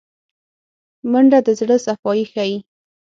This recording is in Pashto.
منډه د زړه صفايي ښيي